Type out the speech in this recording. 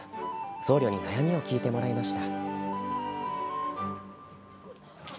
僧侶に悩みを聞いてもらいました。